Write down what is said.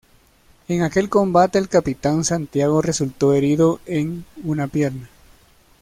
En aquel combate, el "Capitán Santiago" resultó herido en una pierna.